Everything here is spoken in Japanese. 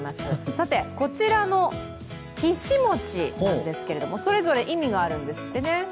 さて、こちらのひし餅なんですけども、それぞれ意味があるんですってね。